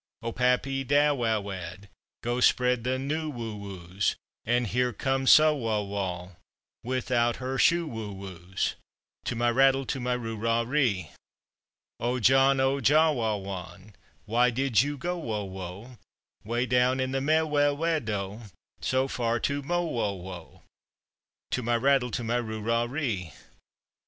"O pappy da wa wad, Go spread the ne wu wus; And here come Sa wa wall Without her sho woo woos." To my rattle, to my roo rah ree! "O John, O Joh wa wahn, Why did you go wo wo Way down in the mea we we dow So far to mo wo wow?" To my rattle, to my roo rah ree!